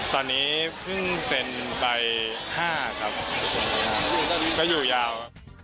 ก็อยู่ยาว